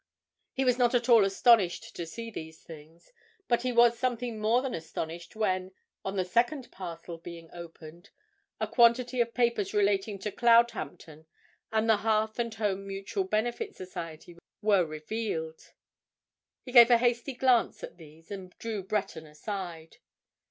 He was not at all astonished to see these things. But he was something more than astonished when, on the second parcel being opened, a quantity of papers relating to Cloudhampton and the Hearth and Home Mutual Benefit Society were revealed. He gave a hasty glance at these and drew Breton aside.